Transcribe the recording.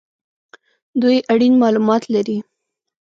دوی اړین مالومات لري